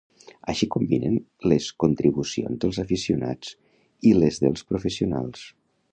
Així combinen les contribucions dels aficionats i les dels professionals.